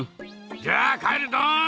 じゃあかえるドン！